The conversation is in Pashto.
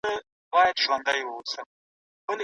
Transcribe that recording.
ولور د ښځې شرعي او مسلم حق دی.